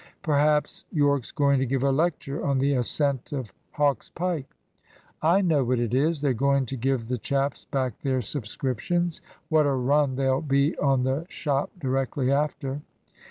"Perhaps Yorke's going to give a lecture on the ascent of Hawk's Pike." "I know what it is. They're going to give the chaps back their subscriptions. What a run there'll be on the shop directly after!"